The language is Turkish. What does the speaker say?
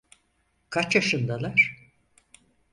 Kaç yaşındalar?